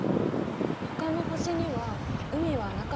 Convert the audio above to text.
ほかの星には海はなかったの？